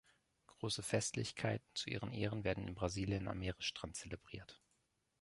Große Festlichkeiten zu ihren Ehren werden in Brasilien am Meeresstrand zelebriert.